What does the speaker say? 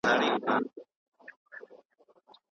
هغوی په خپلو کارونو کي بې مطالعې وو.